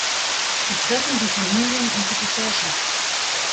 Sie treffen die Familien und die Gesellschaft.